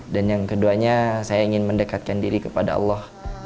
dan yang keduanya saya ingin mendekatkan diri kepada allah